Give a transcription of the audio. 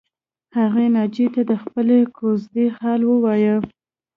هغې ناجیې ته د خپلې کوژدې حال ووایه